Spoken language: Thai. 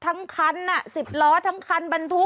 รถทั้งคันน่ะสิบล้อทั้งคันบรรทุก